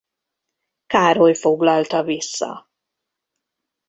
Károly foglalta vissza.